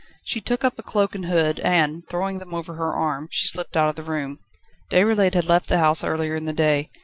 She took up a cloak and hood, and, throwing them over her arm, she slipped out of the room. Déroulède had left the house earlier in the day.